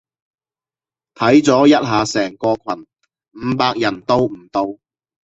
睇咗一下成個群，五百人都唔到